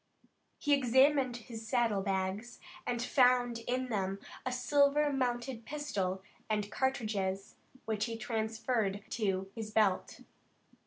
He examined his saddle bags, and found in them a silver mounted pistol and cartridges which he transferred to his belt.